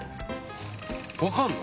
わかんの？